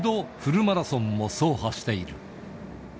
過去に２度、フルマラソンも走破している。